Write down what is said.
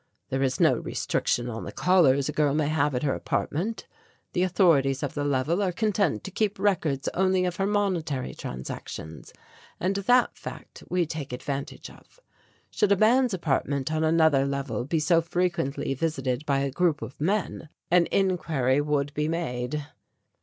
There is no restriction on the callers a girl may have at her apartment; the authorities of the level are content to keep records only of her monetary transactions, and that fact we take advantage of. Should a man's apartment on another level be so frequently visited by a group of men an inquiry would be made."